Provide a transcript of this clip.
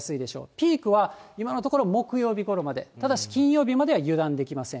ピークは今のところ、木曜日ごろまで、ただし金曜日までは油断できません。